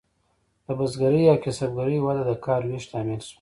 د بزګرۍ او کسبګرۍ وده د کار ویش لامل شوه.